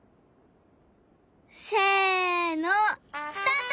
せのスタート！